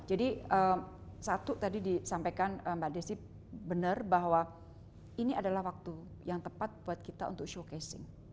jadi satu tadi disampaikan mbak desy benar bahwa ini adalah waktu yang tepat buat kita untuk showcasing